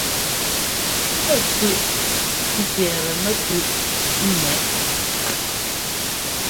Pɛ́ cʉʼ cʉɛtɛ mɛ́túʼ ḿmɛ́ʼ.